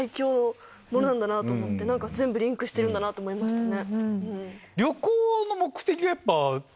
全部リンクしてるんだなと思いましたね。